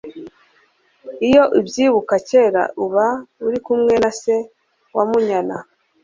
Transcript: iyo ubyibuka cyera uba uri kumwe na se wa munyana